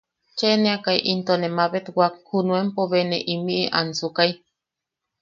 Cheaneakai intone mabetwak junuenpo be ne imiʼi ansukai.